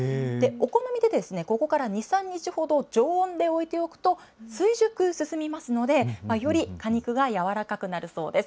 お好みで、ここから２、３日ほど常温で置いておくと、追熟進みますので、より果肉が柔らかくなるそうです。